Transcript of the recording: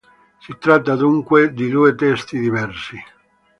Si tratta dunque di due testi diversi".